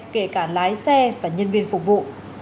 kể cả lái xe và nhân viên phục vụ